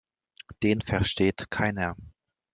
Den versteht keiner.